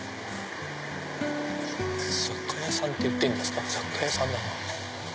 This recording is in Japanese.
雑貨屋さんと言っていいんですか雑貨屋さんだな。